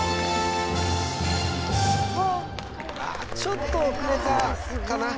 ちょっと遅れたかな？